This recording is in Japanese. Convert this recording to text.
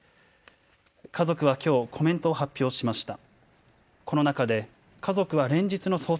家族はきょうコメントを発表しました。